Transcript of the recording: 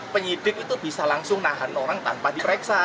penyidik itu bisa langsung nahan orang tanpa diperiksa